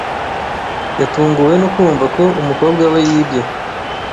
Yatunguwe no kumva ko umukobwa we yibye.